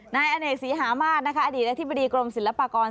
นายอเนกศรีหามาศอดีตอธิบดีกรมศิลปากร